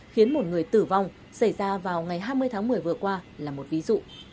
khiến một người tử vong xảy ra vào ngày hai mươi tháng một mươi vừa qua là một ví dụ